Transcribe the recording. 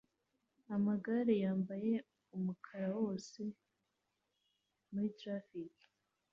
Amagare yambaye umukara wose muri traffic